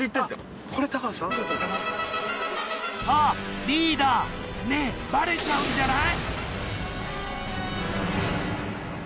あっリーダーねぇバレちゃうんじゃない？